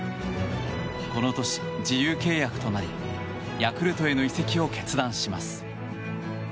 この年、自由契約となりヤクルトへの移籍を決断します。